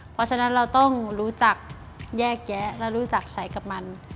เพราะฉะนั้นเราต้องรู้จักแยกแยะและรู้จักใช้กับมัน